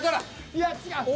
いや違う。